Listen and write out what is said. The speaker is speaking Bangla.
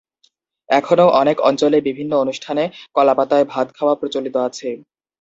এখনও অনেক অঞ্চলে বিভিন্ন অনুষ্ঠানে কলাপাতায় ভাত খাওয়া প্রচলিত আছে।